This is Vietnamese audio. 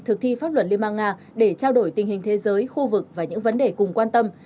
thực thi pháp luật liên bang nga để trao đổi tình hình thế giới khu vực và những vấn đề cùng quan tâm